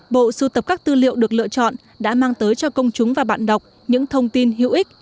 bộ sưu tập các tư liệu được lựa chọn đã mang tới cho công chúng và bạn đọc những thông tin hữu ích